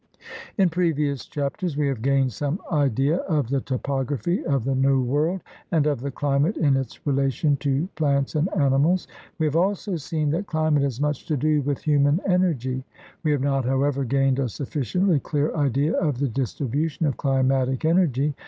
THE RED IVIAN IN AMERICA 123 In previous chapters we have gained some idea of the topography of the New World and of the chmate in its relation to plants and animals. We have also seen that climate has much to do with human energy. We have not, however, gained a sufficiently clear idea of the distribution of climatic energy.